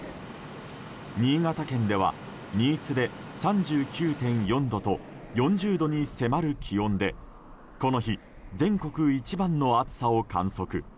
新潟県では、新津で３９．４度と４０度に迫る気温でこの日、全国一番の暑さを観測。